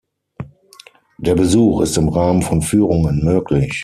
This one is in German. Der Besuch ist im Rahmen von Führungen möglich.